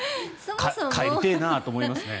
帰りたいなと思いますね。